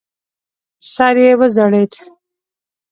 سر یې وځړېد.